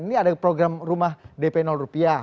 ini ada program rumah dp rupiah